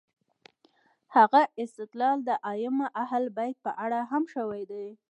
همدغه استدلال د ائمه اهل بیت په اړه هم شوی دی.